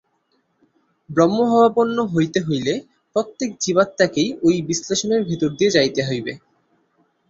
ব্রহ্মভাবাপন্ন হইতে হইলে প্রত্যেক জীবাত্মাকেই ঐ বিশ্লেষণের ভিতর দিয়া যাইতে হইবে।